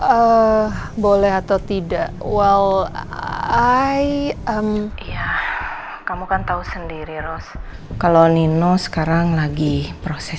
eh boleh atau tidak well i am kamu kan tahu sendiri rose kalau nino sekarang lagi proses